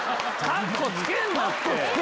カッコつけんなよ！